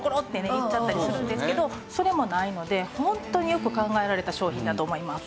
行っちゃったりするんですけどそれもないのでホントによく考えられた商品だと思います。